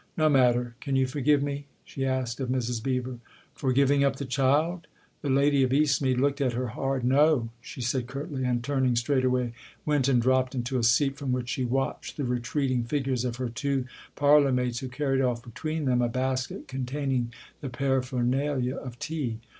" No matter. Can you forgive me ?" she asked of Mrs. Beever. " For giving up the child ?" The lady of East mead looked at her hard. " No !" she said curtly, and, turning straight away, went and dropped into a seat from which she watched the retreating figures 250 THE OTHER HOUSE of her two parlourmaids, who carried off between them a basket containing the paraphernalia of tea.